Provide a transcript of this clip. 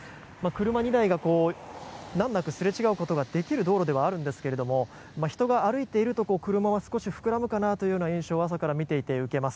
車２台が難なくすれ違うことができる道路ではあるんですが人が歩いていると車は少し膨らむかなという印象を朝から見ていて受けます。